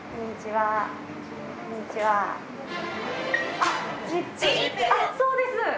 あっ、そうです。